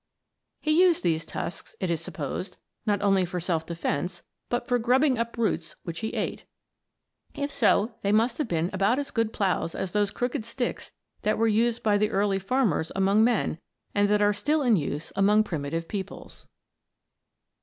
He used these tusks, it is supposed, not only for self defense, but for grubbing up roots which he ate. If so, they must have been about as good ploughs as those crooked sticks that were used by the early farmers among men, and that are still in use among primitive peoples.